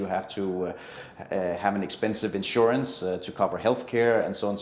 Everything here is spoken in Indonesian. anda harus memiliki uang yang mahal untuk menutupi perubahan kesehatan dan sebagainya